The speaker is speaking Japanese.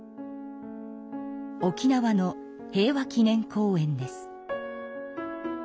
沖縄の平和祈念公園です。